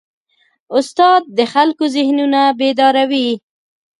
استاد د خلکو ذهنونه بیداروي.